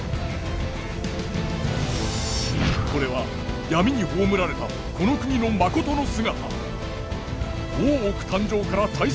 これは闇に葬られたこの国のまことの姿。